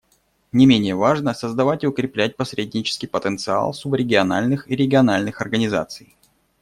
Не менее важно создавать и укреплять посреднический потенциал субрегиональных и региональных организаций.